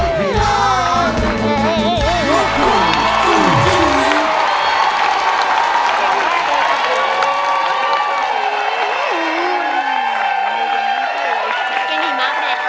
ในกินหิมอล์แพง